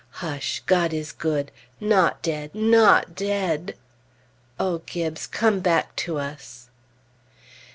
Hush, God is good! Not dead! not dead! O Gibbes, come back to us!